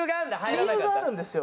理由があるんですよ。